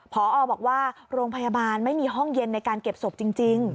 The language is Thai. พอบอกว่าโรงพยาบาลไม่มีห้องเย็นในการเก็บศพจริง